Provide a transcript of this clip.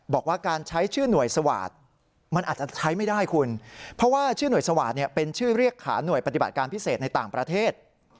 บอกว่าการใช้ชื่อหน่วยสวาสตร์มันอาจจะใช้ไม่ได้คุณเพราะว่าชื่อหน่วยสวาสตร์เนี่ยเป็นชื่อเรียกขาหน่วยปฏิบัติการพิเศษในต่างประเทศ